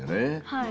はい。